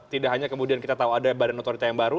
tidak hanya kemudian kita tahu ada badan otorita yang baru